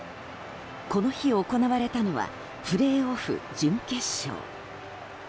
この日行われたのはプレーオフ準決勝。